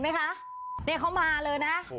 นี่ค่ะเห็นมั้ยคะนี่เขามาเลยนะ